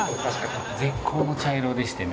絶好の茶色でしてね